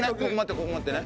ここ持ってね。